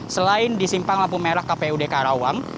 selain di simpang lampu merah kpud karawang